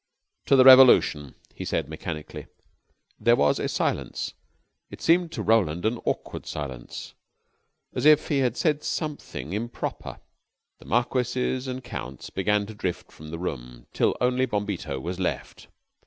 "To the revolution," he said mechanically. There was a silence it seemed to Roland an awkward silence. As if he had said something improper, the marquises and counts began to drift from the room, till only Bombito was left.